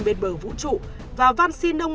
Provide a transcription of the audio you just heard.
bên bờ vũ trụ và văn xin ông